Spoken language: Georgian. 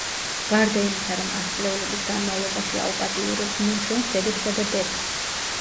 გარდა იმისა რომ ასწლეულების განმავლობაში აუპატიურებდნენ ჩვენს დედებსა და დებს!